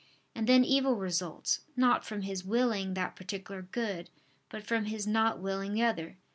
And then evil results, not from his willing that particular good, but from his not willing the other.